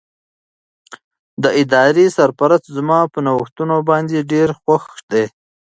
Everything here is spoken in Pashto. د ادارې سرپرست زما په نوښتونو باندې ډېر خوښ دی.